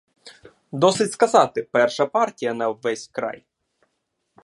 Досить сказати, перша партія на ввесь край.